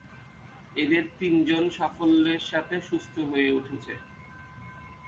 এদের তিনজন সাফল্যের সাথে সুস্থ হয়ে উঠেছে।